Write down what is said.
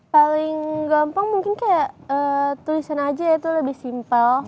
paling gampang mungkin kayak tulisan aja itu lebih simpel